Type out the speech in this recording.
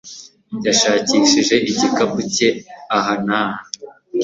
Yashakishije igikapu cye aha n'aha .